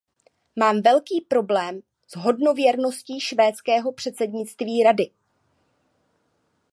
Mám velký problém s hodnověrností švédského předsednictví Rady.